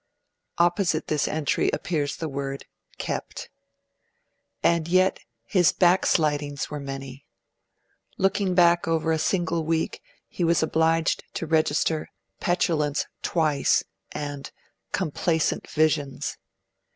Opposite this entry appears the word 'KEPT'. And yet his back slidings were many. Looking back over a single week, he was obliged to register 'petulance twice' and 'complacent visions'.